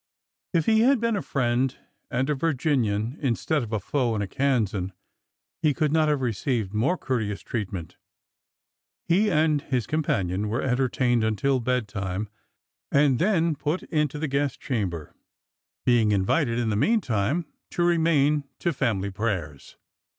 If he had been a friend and a Virginian instead of a foe and a Kansan, he could not have received more cour teous treatment. He and his companion were entertained until bedtime and then put into the guest chamber, being invited, in the meantime, to remain to family prayers.